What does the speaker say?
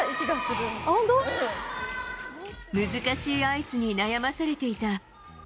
難しいアイスに悩まされていた。